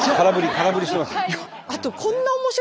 空振りしてますよ。